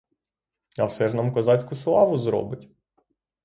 А все ж нам козацьку славу зробить!